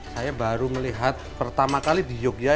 saya baru melihat pertama kali di yogyakarta